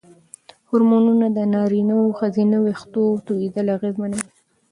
هورمونونه د نارینه او ښځینه وېښتو توېیدل اغېزمنوي.